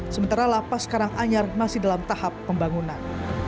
sementara lapas karang anjar masih dalam tahap pembangunan